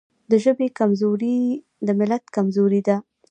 د ژبې کمزوري د ملت کمزوري ده.